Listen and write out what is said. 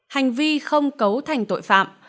hành vi không cấu thành tội phạm